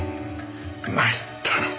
参ったなあ。